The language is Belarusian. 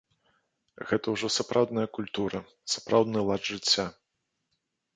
Гэта ўжо сапраўдная культура, сапраўдны лад жыцця.